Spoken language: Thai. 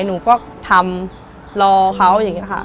หนูก็ทำรอเขาอย่างนี้ค่ะ